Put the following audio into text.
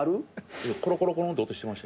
コロコロコロンって音してましたよ